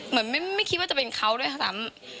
เหมือนไม่คิดว่าจะเป็นเขาด้วยครับทั้งสาม